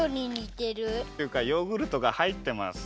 っていうかヨーグルトがはいってます。